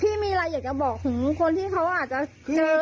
ที่มีอะไรอยากจะบอกถึงคนที่เขาอาจจะเจออาจจะเก็บไป